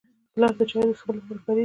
ګیلاس د چایو د څښلو لپاره کارېږي.